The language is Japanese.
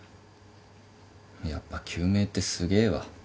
やっぱ救命ってすげえわ。